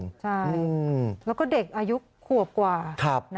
ใช่แล้วก็เด็กอายุขวบกว่า